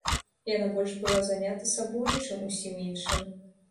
Яна больш была занята сабою, чым усім іншым.